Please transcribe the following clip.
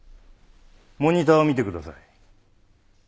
モニターを見てください。